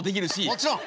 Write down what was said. もちろん。